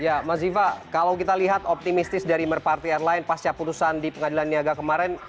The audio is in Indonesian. ya mas ziva kalau kita lihat optimistis dari merparty airline pasca putusan di pengadilan niaga kemarin